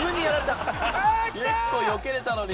結構よけれたのに。